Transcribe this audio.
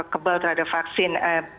kebal terhadap vaksin